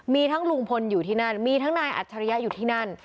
มีทั้งลุงพลอยู่ที่นั่นมีทั้งนายอัจฉริยะอยู่ที่นั่น